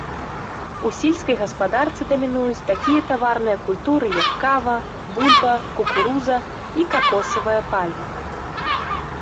У сельскай гаспадарцы дамінуюць такія таварныя культуры, як кава, бульба, кукуруза і какосавая пальма.